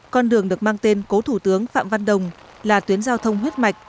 con đường được mang tên cố thủ tướng phạm văn đồng là tuyến giao thông huyết mạch